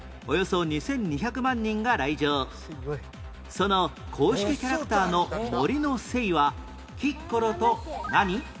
その公式キャラクターの森の精はキッコロと何？